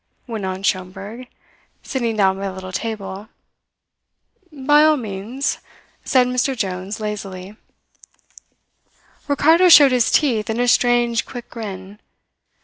went on Schomberg, sitting down by the little table. "By all means," said Mr. Jones lazily. Ricardo showed his teeth in a strange, quick grin.